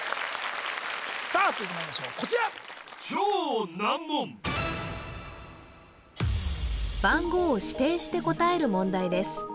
さあ続いてまいりましょうこちら番号を指定して答える問題です